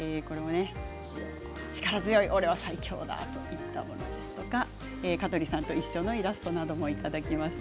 力強い「オレは最強だ！」といったものですとか香取さんと一緒なイラストもいただきました。